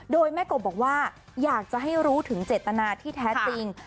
โดยแม่กบบอกว่าอยากจะให้รู้ถึงเจตนาที่แท้จริง